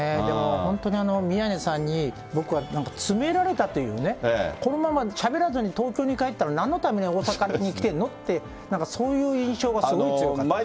でも本当に宮根さんに、僕はなんか、詰められたというね、このまましゃべらずに東京に帰ったら、なんのために大阪に来てんのって、なんかそういう印象がすごい強かった。